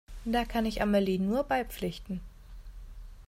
Da kann ich Amelie nur beipflichten.